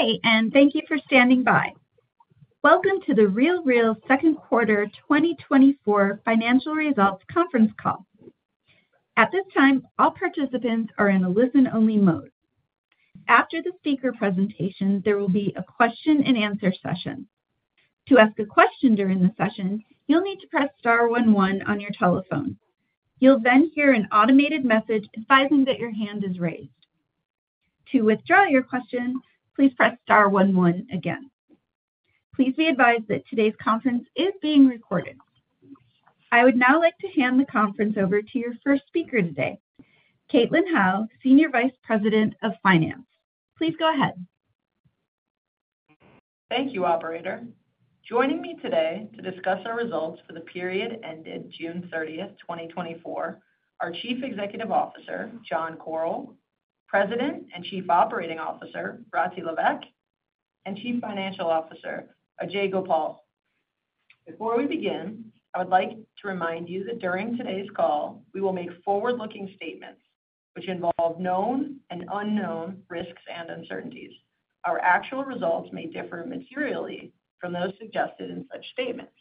Good day, and thank you for standing by. Welcome to The RealReal second quarter 2024 financial results conference call. At this time, all participants are in a listen-only mode. After the speaker presentation, there will be a question-and-answer session. To ask a question during the session, you'll need to press star one one on your telephone. You'll then hear an automated message advising that your hand is raised. To withdraw your question, please press star one one again. Please be advised that today's conference is being recorded. I would now like to hand the conference over to your first speaker today, Caitlin Howe, Senior Vice President of Finance. Please go ahead. Thank you, operator. Joining me today to discuss our results for the period ended June 30, 2024, are Chief Executive Officer John Koryl, President and Chief Operating Officer Rati Levesque, and Chief Financial Officer Ajay Gopal. Before we begin, I would like to remind you that during today's call, we will make forward-looking statements, which involve known and unknown risks and uncertainties. Our actual results may differ materially from those suggested in such statements.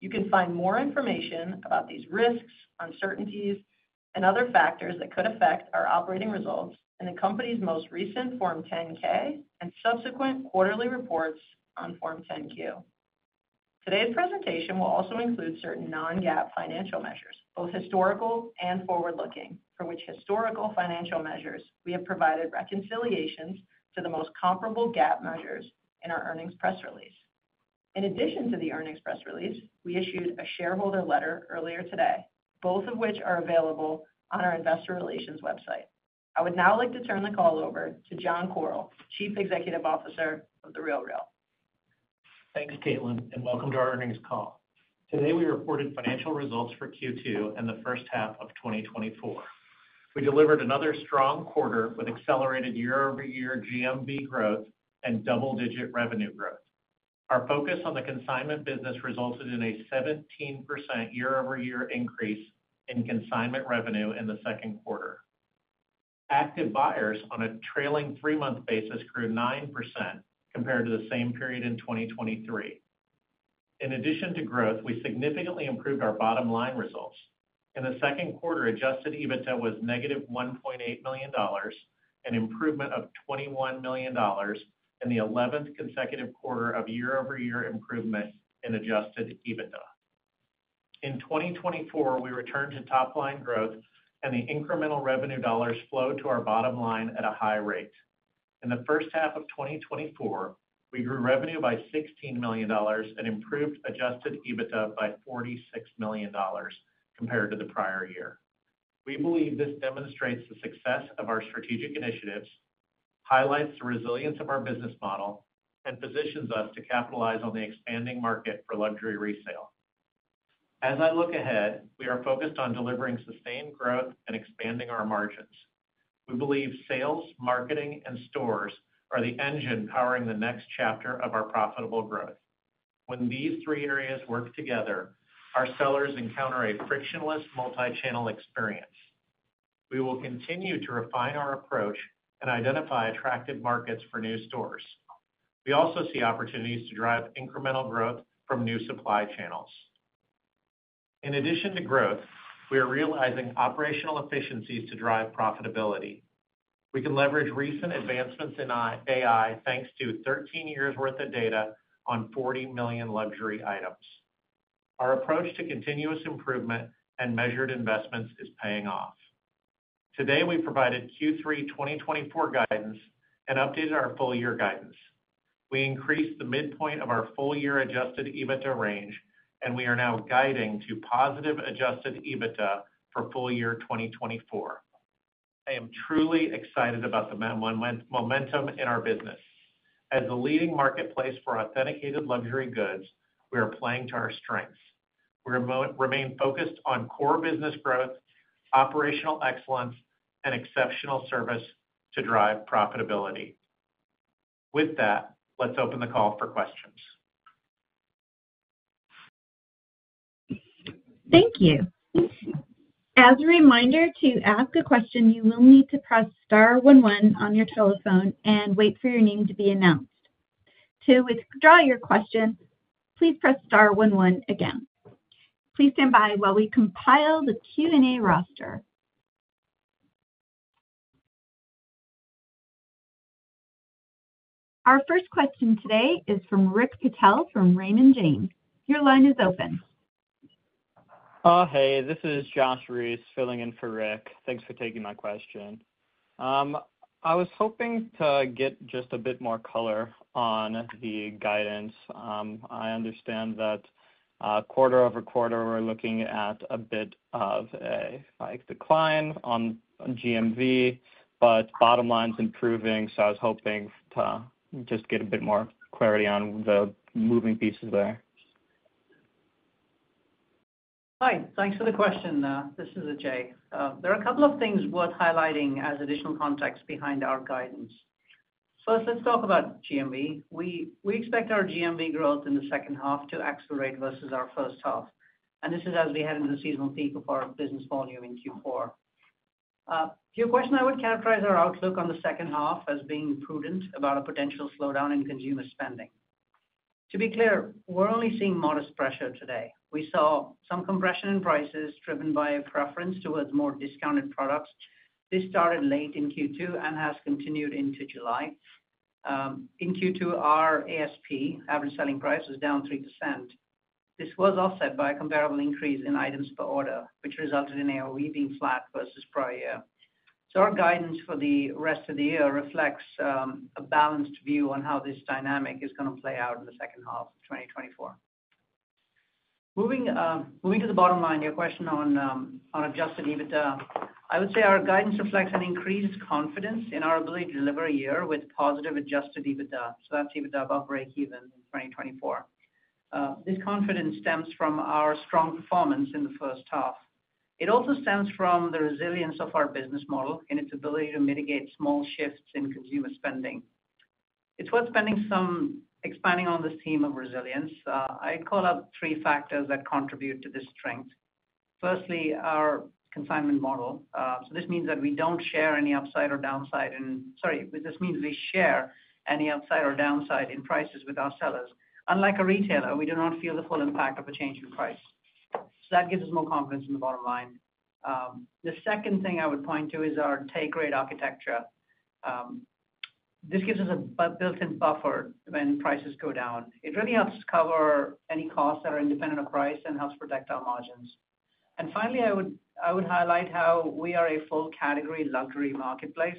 You can find more information about these risks, uncertainties, and other factors that could affect our operating results in the company's most recent Form 10-K and subsequent quarterly reports on Form 10-Q. Today's presentation will also include certain non-GAAP financial measures, both historical and forward-looking, for which historical financial measures we have provided reconciliations to the most comparable GAAP measures in our earnings press release. In addition to the earnings press release, we issued a shareholder letter earlier today, both of which are available on our investor relations website. I would now like to turn the call over to John Koryl, Chief Executive Officer of The RealReal. Thanks, Caitlin, and welcome to our earnings call. Today, we reported financial results for Q2 and the first half of 2024. We delivered another strong quarter with accelerated year-over-year GMV growth and double-digit revenue growth. Our focus on the consignment business resulted in a 17% year-over-year increase in consignment revenue in the second quarter. Active buyers on a trailing three-month basis grew 9% compared to the same period in 2023. In addition to growth, we significantly improved our bottom line results. In the second quarter, Adjusted EBITDA was -$1.8 million, an improvement of $21 million in the 11th consecutive quarter of year-over-year improvement in Adjusted EBITDA. In 2024, we returned to top line growth, and the incremental revenue dollars flowed to our bottom line at a high rate. In the first half of 2024, we grew revenue by $16 million and improved Adjusted EBITDA by $46 million compared to the prior year. We believe this demonstrates the success of our strategic initiatives, highlights the resilience of our business model, and positions us to capitalize on the expanding market for luxury resale. As I look ahead, we are focused on delivering sustained growth and expanding our margins. We believe sales, marketing, and stores are the engine powering the next chapter of our profitable growth. When these three areas work together, our sellers encounter a frictionless, multi-channel experience. We will continue to refine our approach and identify attractive markets for new stores. We also see opportunities to drive incremental growth from new supply channels. In addition to growth, we are realizing operational efficiencies to drive profitability. We can leverage recent advancements in AI, thanks to 13 years' worth of data on 40 million luxury items. Our approach to continuous improvement and measured investments is paying off. Today, we provided Q3 2024 guidance and updated our full year guidance. We increased the midpoint of our full year Adjusted EBITDA range, and we are now guiding to positive Adjusted EBITDA for full year 2024. I am truly excited about the momentum in our business. As the leading marketplace for authenticated luxury goods, we are playing to our strengths. We remain focused on core business growth, operational excellence, and exceptional service to drive profitability. With that, let's open the call for questions. Thank you. As a reminder, to ask a question, you will need to press star one one on your telephone and wait for your name to be announced. To withdraw your question, please press star one one again. Please stand by while we compile the Q&A roster. Our first question today is from Rick Patel from Raymond James. Your line is open. Hey, this is Josh Reiss, filling in for Rick. Thanks for taking my question. I was hoping to get just a bit more color on the guidance. I understand that, quarter over quarter, we're looking at a bit of a, like, decline on GMV, but bottom line's improving, so I was hoping to just get a bit more clarity on the moving pieces there. Hi, thanks for the question. This is Ajay. There are a couple of things worth highlighting as additional context behind our guidance. First, let's talk about GMV. We expect our GMV growth in the second half to accelerate versus our first half, and this is as we head into the seasonal peak of our business volume in Q4. To your question, I would characterize our outlook on the second half as being prudent about a potential slowdown in consumer spending. To be clear, we're only seeing modest pressure today. We saw some compression in prices, driven by a preference towards more discounted products. This started late in Q2 and has continued into July. In Q2, our ASP, average selling price, was down 3%. This was offset by a comparable increase in items per order, which resulted in AOV being flat versus prior year. So our guidance for the rest of the year reflects a balanced view on how this dynamic is gonna play out in the second half of 2024. Moving to the bottom line, your question on Adjusted EBITDA. I would say our guidance reflects an increased confidence in our ability to deliver a year with positive Adjusted EBITDA, so that's EBITDA above breakeven in 2024. This confidence stems from our strong performance in the first half. It also stems from the resilience of our business model and its ability to mitigate small shifts in consumer spending. It's worth expanding on this theme of resilience. I call out three factors that contribute to this strength. Firstly, our consignment model. This means we share any upside or downside in prices with our sellers. Unlike a retailer, we do not feel the full impact of a change in price. So that gives us more confidence in the bottom line. The second thing I would point to is our take rate architecture. This gives us a built-in buffer when prices go down. It really helps cover any costs that are independent of price and helps protect our margins. Finally, I would highlight how we are a full category luxury marketplace.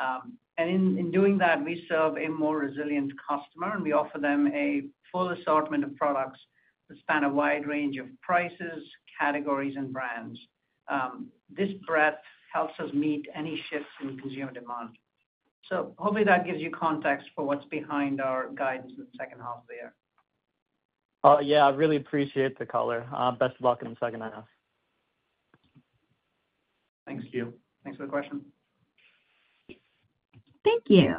And in doing that, we serve a more resilient customer, and we offer them a full assortment of products that span a wide range of prices, categories, and brands. This breadth helps us meet any shifts in consumer demand. Hopefully that gives you context for what's behind our guidance in the second half of the year. Yeah, I really appreciate the color. Best of luck in the second half. Thanks you. Thanks for the question. Thank you.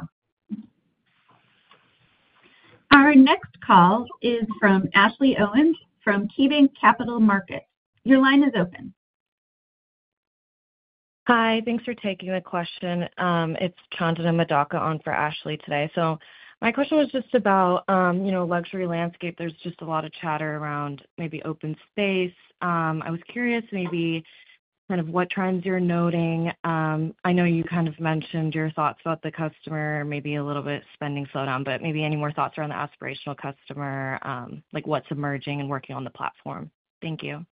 Our next call is from Ashley Owens from KeyBanc Capital Markets. Your line is open. Hi, thanks for taking the question. It's Chandana Madaka on for Ashley today. So my question was just about, you know, luxury landscape. There's just a lot of chatter around maybe open space. I was curious, maybe kind of what trends you're noting. I know you kind of mentioned your thoughts about the customer, maybe a little bit spending slowdown, but maybe any more thoughts around the aspirational customer, like what's emerging and working on the platform? Thank you.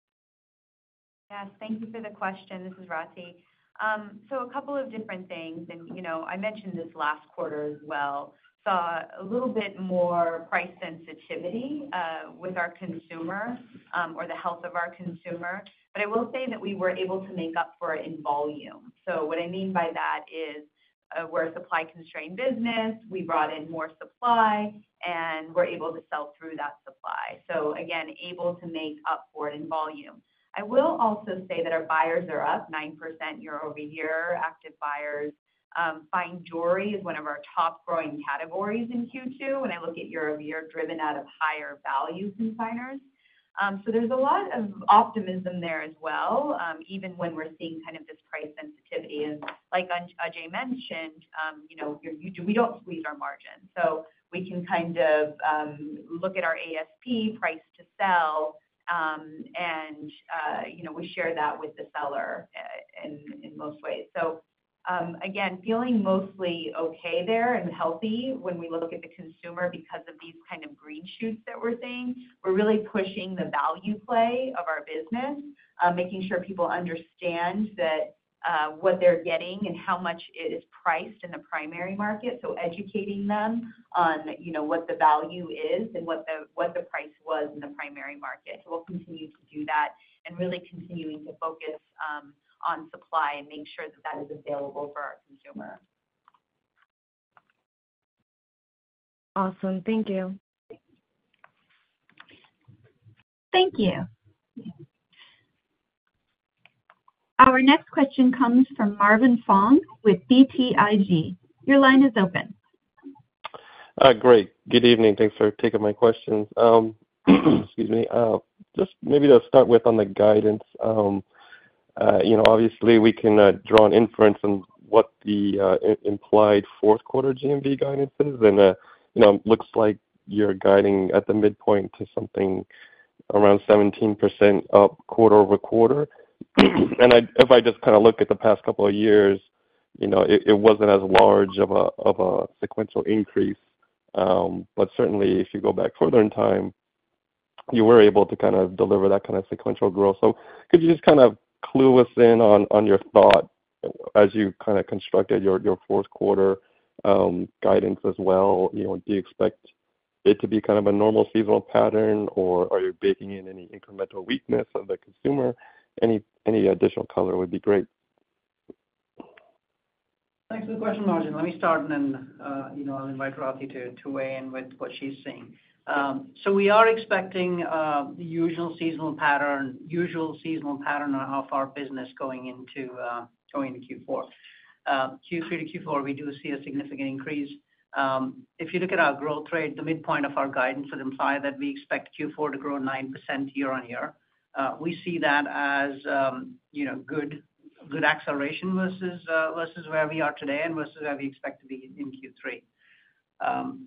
Yes, thank you for the question. This is Rati. So a couple of different things, and, you know, I mentioned this last quarter as well. Saw a little bit more price sensitivity with our consumer, or the health of our consumer, but I will say that we were able to make up for it in volume. So what I mean by that is, we're a supply-constrained business. We brought in more supply, and we're able to sell through that supply, so again, able to make up for it in volume. I will also say that our buyers are up 9% year-over-year. Active buyers. Fine jewelry is one of our top growing categories in Q2, when I look at year-over-year, driven out of higher value consignors. So there's a lot of optimism there as well, even when we're seeing kind of this price sensitivity. And like Ajay mentioned, you know, we don't squeeze our margin, so we can kind of look at our ASP price to sell, and you know, we share that with the seller, in most ways. So again, feeling mostly okay there and healthy when we look at the consumer because of these kind of green shoots that we're seeing. We're really pushing the value play of our business, making sure people understand that, what they're getting and how much it is priced in the primary market, so educating them on, you know, what the value is and what the price was in the primary market. So we'll continue to do that and really continuing to focus on supply and making sure that that is available for our consumer. Awesome. Thank you. Thank you. Our next question comes from Marvin Fong with BTIG. Your line is open. Great. Good evening. Thanks for taking my questions. Excuse me. Just maybe to start with on the guidance. You know, obviously, we can draw an inference on what the implied fourth quarter GMV guidance is, and you know, it looks like you're guiding at the midpoint to something around 17% up quarter-over-quarter. And if I just kind of look at the past couple of years, you know, it wasn't as large of a sequential increase. But certainly, if you go back further in time, you were able to kind of deliver that kind of sequential growth. So could you just kind of clue us in on your thought as you kind of constructed your fourth quarter guidance as well? You know, do you expect it to be kind of a normal seasonal pattern, or are you baking in any incremental weakness of the consumer? Any, any additional color would be great. Thanks for the question, Marvin. Let me start, and then, you know, I'll invite Rati to weigh in with what she's seeing. So we are expecting the usual seasonal pattern on how our business going into Q4. Q3 to Q4, we do see a significant increase. If you look at our growth rate, the midpoint of our guidance would imply that we expect Q4 to grow 9% year-on-year. We see that as, you know, good acceleration versus where we are today and versus where we expect to be in Q3.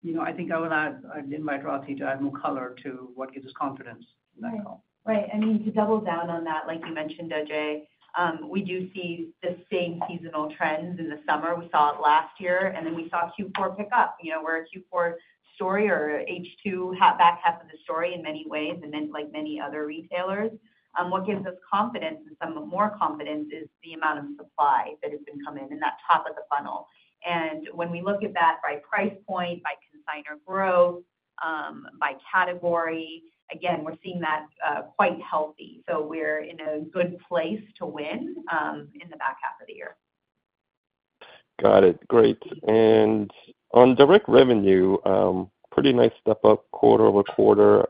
You know, I think I will add, I'd invite Rati to add more color to what gives us confidence in that call. Right. I mean, to double down on that, like you mentioned, Ajay, we do see the same seasonal trends. In the summer, we saw it last year, and then we saw Q4 pick up. You know, we're a Q4 story or H2, half—back half of the story in many ways, and then, like many other retailers. What gives us confidence and some more confidence is the amount of supply that has been coming in that top of the funnel. And when we look at that by price point, by consignor growth, by category, again, we're seeing that quite healthy. So we're in a good place to win in the back half of the year. Got it. Great. And on direct revenue, pretty nice step up quarter-over-quarter.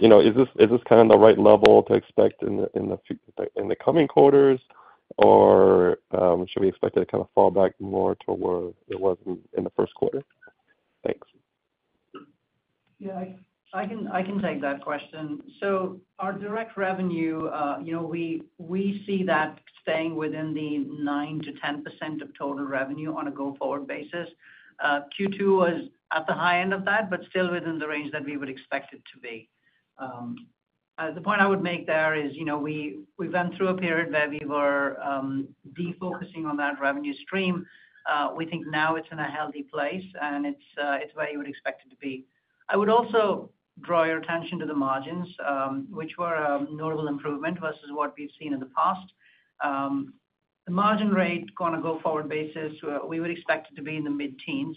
You know, is this, is this kind of the right level to expect in the, in the coming quarters, or, should we expect it to kind of fall back more to where it was in, in the first quarter? Thanks. Yeah, I can take that question. So our direct revenue, you know, we see that staying within the 9%-10% of total revenue on a go-forward basis. Q2 was at the high end of that, but still within the range that we would expect it to be. The point I would make there is, you know, we have went through a period where we were defocusing on that revenue stream. We think now it's in a healthy place, and it's where you would expect it to be. I would also draw your attention to the margins, which were a notable improvement versus what we've seen in the past. The margin rate on a go-forward basis, we would expect it to be in the mid-teens.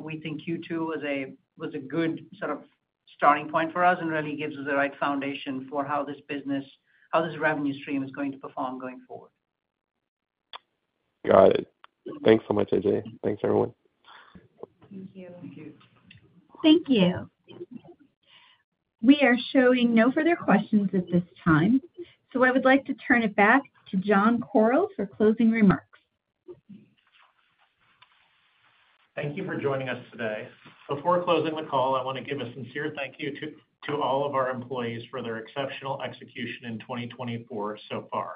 We think Q2 was a good sort of starting point for us and really gives us the right foundation for how this business, how this revenue stream is going to perform going forward. Got it. Thanks so much, Ajay. Thanks, everyone. Thank you. Thank you. Thank you. We are showing no further questions at this time, so I would like to turn it back to John Koryl for closing remarks. Thank you for joining us today. Before closing the call, I want to give a sincere thank you to all of our employees for their exceptional execution in 2024 so far.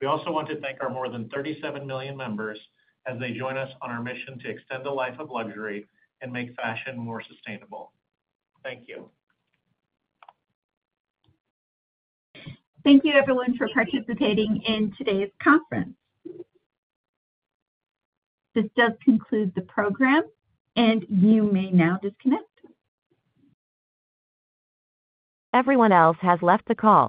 We also want to thank our more than 37 million members as they join us on our mission to extend the life of luxury and make fashion more sustainable. Thank you. Thank you everyone for participating in today's conference. This does conclude the program, and you may now disconnect. Everyone else has left the call.